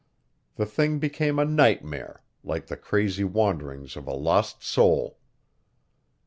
The thing became a nightmare, like the crazy wanderings of a lost soul.